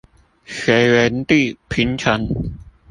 隋文帝平陳